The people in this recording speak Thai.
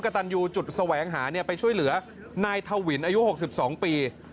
สแหวงหาไปช่วยเหลือนายเถาหวินอายุ๖๒ปี